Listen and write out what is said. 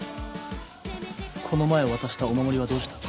この前渡したお守りはどうした？